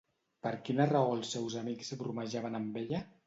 Per quina raó els seus amics bromejaven amb ella?